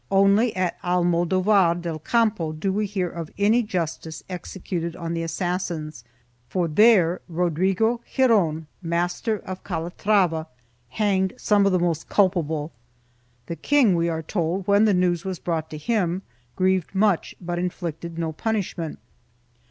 Only at Almodovar del Campo do we hear of any justice executed on the assassins, for there Rodrigo Giron, Master of Calatrava, hanged some of the most culpable. The king, we are told, when the news was brought to him, grieved much, but inflicted no punishment.